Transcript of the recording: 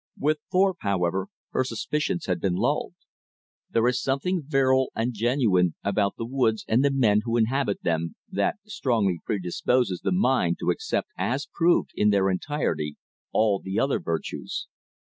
With Thorpe, however, her suspicions had been lulled. There is something virile and genuine about the woods and the men who inhabit them that strongly predisposes the mind to accept as proved in their entirety all the other virtues.